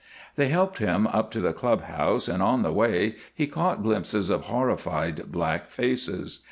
They helped him up to the club house, and on the way he caught glimpses of horrified black faces.